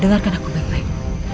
dengarkan aku baik baik